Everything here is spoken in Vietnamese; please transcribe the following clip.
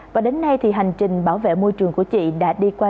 và đến nay hành trình bảo vệ môi trường của chị đã kết thúc